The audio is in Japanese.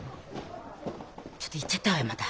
ちょっと行っちゃったわよまた。